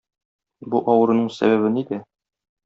Бу авыруның сәбәбе нидә?